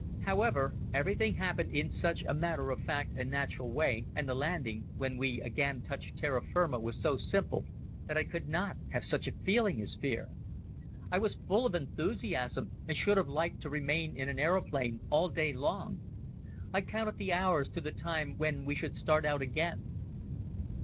However, everything happened in such a matter of fact and natural way, and the landing, when we again touched terra firma was so simple, that I could not have such a feeling as fear. I was full of enthusiasm and should have liked to remain in an aeroplane all day long. I counted the hours to the time when we should start out again.